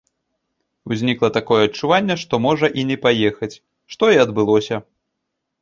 Узнікала такое адчуванне, што можа і не паехаць, што і адбылося.